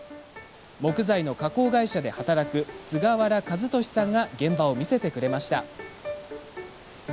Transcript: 木材の加工会社で働く菅原和利さんが現場を見せてくれました。